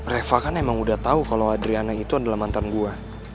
reva kan emang udah tahu kalau adriana itu adalah mantan gua